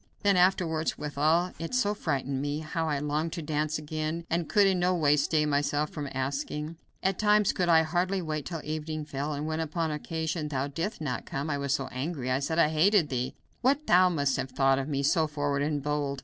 Then afterwards, withal it so frightened me, how I longed to dance again, and could in no way stay myself from asking. At times could I hardly wait till evening fell, and when upon occasion thou didst not come, I was so angry I said I hated thee. What must thou have thought of me, so forward and bold!